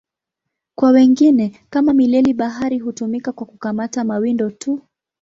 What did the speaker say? Kwa wengine, kama mileli-bahari, hutumika kwa kukamata mawindo tu.